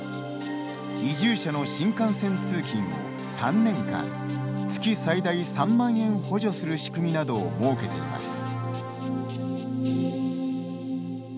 移住者の新幹線通勤を３年間月最大３万円補助する仕組みなどを設けています。